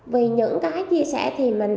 vì những cái chia sẻ thì mình